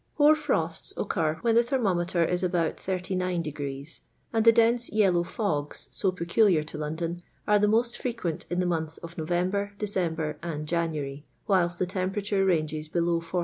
Hoar frosts occur when the thermometer is about 89^ and the dense yellow fogs, so peculiar to London, are the most frequent in the months of Horember, December, and January, whilst the temperature ranges below 40°.